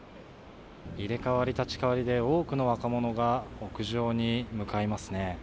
入れ代わり立ち代わりで、多くの若者が屋上に向かいますね。